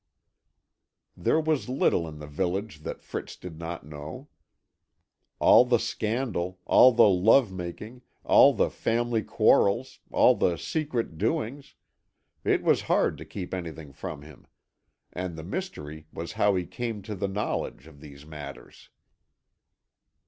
There was little in the village that Fritz did not know; all the scandal, all the love making, all the family quarrels, all the secret doings it was hard to keep anything from him; and the mystery was how he came to the knowledge of these matters.